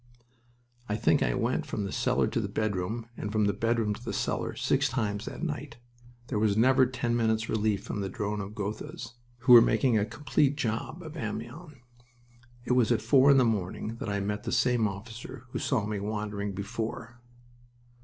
I think I went from the cellar to the bedroom, and from the bedroom to the cellar, six times that night. There was never ten minutes' relief from the drone of Gothas, who were making a complete job of Amiens. It was at four in the morning that I met the same officer who saw me wandering before.